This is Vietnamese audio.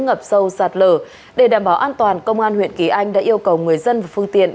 ngập sâu sạt lở để đảm bảo an toàn công an huyện kỳ anh đã yêu cầu người dân và phương tiện